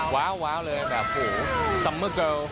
ว้าวเลยแบบโหซัมเมอร์เกิล